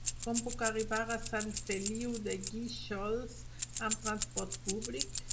Com puc arribar a Sant Feliu de Guíxols amb trasport públic?